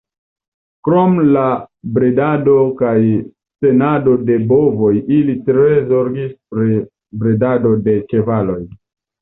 Krom la bredado kaj tenado de bovoj ili tre zorgis pri bredado de ĉevaloj.